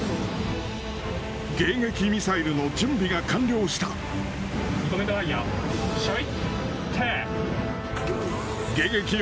迎撃ミサイルの準備が完了し発射用意、撃て！